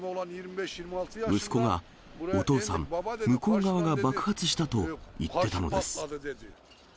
息子が、お父さん、向こう側が爆発したと言ってたのです。